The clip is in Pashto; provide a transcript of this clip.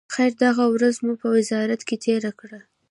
خیر، دغه ورځ مو په وزارت کې تېره کړه.